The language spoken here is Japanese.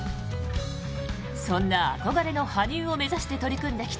そんな憧れの羽生を目指して取り組んできた